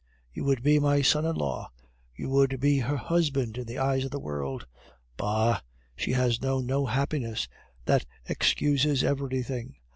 You would be my son in law; you would be her husband in the eyes of the world. Bah! she has known no happiness, that excuses everything.